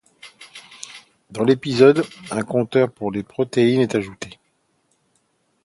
Dans l'épisode ', un compteur pour les protéines est ajouté.